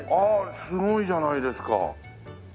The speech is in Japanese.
すごいじゃないですか。